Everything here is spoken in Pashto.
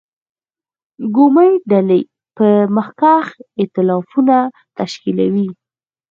کومې ډلې به مخکښ اېتلافونه تشکیلوي.